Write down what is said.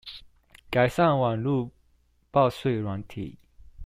改善網路報稅軟體